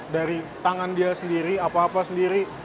dari tangan dia sendiri apa apa sendiri